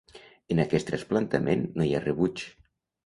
En aquest trasplantament no hi ha rebuig.